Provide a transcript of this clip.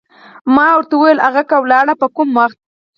ما ورته وویل: هغه کله ولاړه، په کوم وخت؟